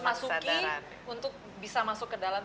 masuki untuk bisa masuk ke dalam